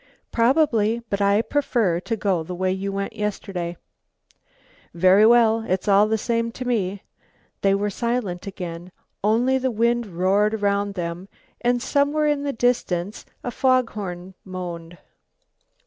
"Probably, but I prefer to go the way you went yesterday." "Very well, it's all the same to me." They were silent again, only the wind roared around them, and somewhere in the distance a fog horn moaned.